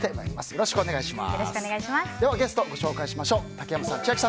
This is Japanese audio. よろしくお願いします。